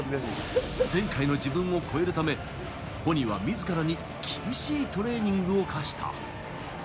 前回の自分を超えるため、ホニは自らに厳しいトレーニングを課した。